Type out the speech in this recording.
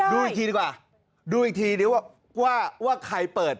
ดูอีกทีดีกว่าดูอีกทีดิว่าใครเปิด